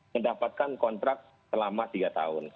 mendapatkan kontrak selama tiga tahun